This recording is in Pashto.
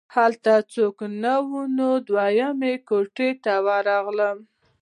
هلته څوک نه وو نو دویمې کوټې ته ورغلم